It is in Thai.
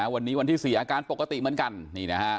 วันนี้วันที่๔อาการปกติเหมือนกัน